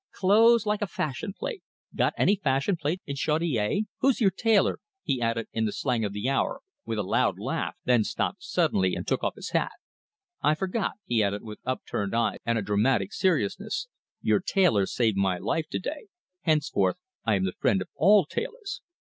Clothes like a fashion plate got any fashion plates in Chaudiere? 'who's your tailor?'" he added, in the slang of the hour, with a loud laugh, then stopped suddenly and took off his hat. "I forgot," he added, with upturned eyes and a dramatic seriousness, "your tailor saved my life to day henceforth I am the friend of all tailors.